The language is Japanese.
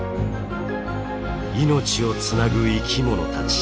「命をつなぐ生きものたち」